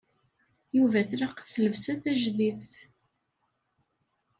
Yuba tlaq-as llebsa tajdidt.